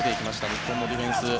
日本のディフェンス。